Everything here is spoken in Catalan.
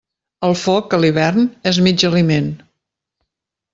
El foc, a l'hivern, és mig aliment.